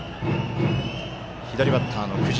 左バッターの久慈。